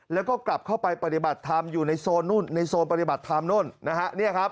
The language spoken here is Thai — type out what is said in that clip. แล้วก็กลับเข้าไปปฏิบัติธรรมอยู่ในโซนปฏิบัติธรรมนั่นเนี่ยครับ